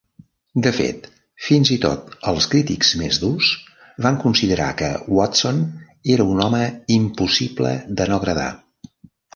De fet, fins i tot els crítics més durs van considerar que Watson era un home "impossible de no agradar".